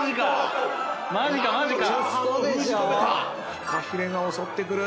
⁉フカヒレが襲ってくる。